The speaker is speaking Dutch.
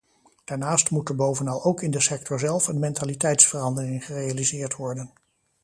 Daarnaast moet er bovenal ook in de sector zelf een mentaliteitsverandering gerealiseerd worden.